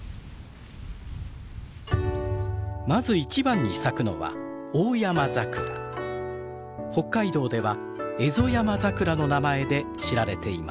まず一番に咲くのは北海道ではエゾヤマザクラの名前で知られています。